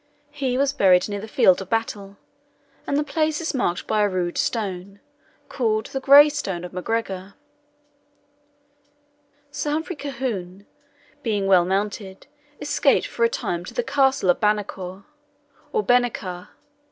He was buried near the field of battle, and the place is marked by a rude stone, called the Grey Stone of MacGregor. Sir Humphrey Colquhoun, being well mounted, escaped for the time to the castle of Banochar, or Benechra.